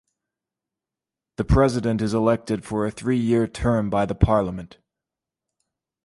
The president is elected for a three-year term by the parliament.